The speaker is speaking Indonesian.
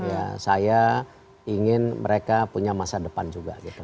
ya saya ingin mereka punya masa depan juga gitu